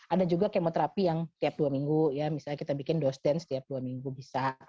ada juga kemoterapi yang tiap dua minggu ya misalnya kita bikin dosen setiap dua minggu bisa